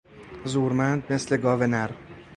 زورمند مثل گاو نر